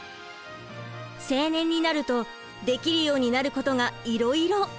青年になるとできるようになることがいろいろ！